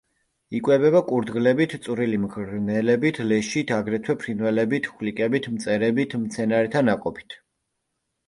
იკვებება კურდღლებით, წვრილი მღრღნელებით, ლეშით, აგრეთვე ფრინველებით, ხვლიკებით, მწერებით, მცენარეთა ნაყოფით.